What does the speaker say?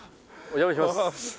お邪魔します。